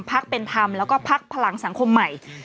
ภักดิ์เป็นธรรมและภักดิ์พลังสังคมใหม่